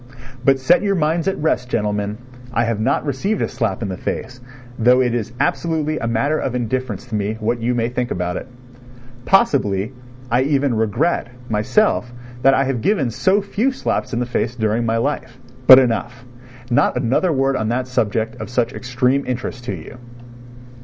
But set your minds at rest, gentlemen, I have not received a slap in the face, though it is absolutely a matter of indifference to me what you may think about it. Possibly, I even regret, myself, that I have given so few slaps in the face during my life. But enough ... not another word on that subject of such extreme interest to you.